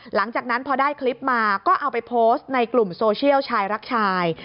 หลังจากนั้นพอได้คลิปมาก็เอาไปโพสต์ในกลุ่มโซเชียลชายรักชาย